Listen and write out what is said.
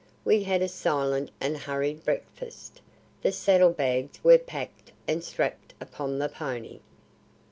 We had a silent and hurried breakfast. The saddlebags were packed and strapped upon the pony.